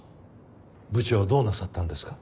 部長どうなさったんですか？